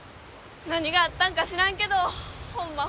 何があったんか知らんけどほんま